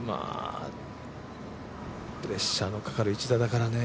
プレッシャーのかかる１打だからね